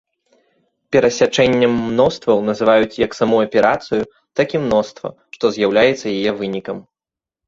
Перасячэннем мностваў называюць як саму аперацыю, так і мноства, што з'яўляецца яе вынікам.